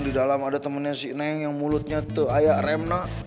di dalam ada temennya si neng yang mulutnya te ayak remna